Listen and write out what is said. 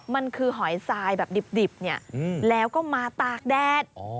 มันคือหอยทรายแบบดิบแล้วก็มาตากแดด